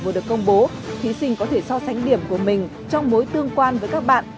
vừa được công bố thí sinh có thể so sánh điểm của mình trong mối tương quan với các bạn